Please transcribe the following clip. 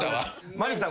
マリックさん